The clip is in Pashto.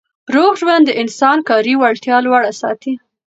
روغ ژوند د انسان کاري وړتیا لوړه ساتي.